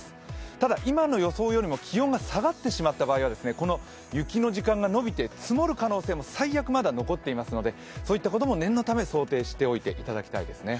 ただ、今の予想よりも気温が下がってしまった場合は雪の時間が延びて積もる可能性も最悪まだ残っていますのでそういったことも念のため、想定しておいていただきたいですね。